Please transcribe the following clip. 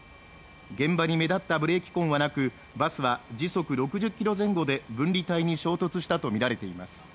現場に目立ったブレーキ痕はなくバスは時速６０キロ前後で分離帯に衝突したと見られています